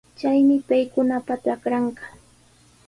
Chaymi paykunapa trakranqa.